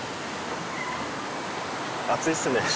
暑いっすね。